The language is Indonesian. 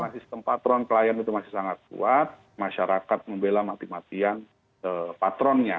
karena sistem patron klien itu masih sangat kuat masyarakat membela mati matian patronnya